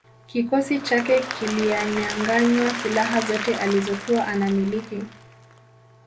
Kikosi chake kilianyanganywa silaha zote alizokuwa anamiliki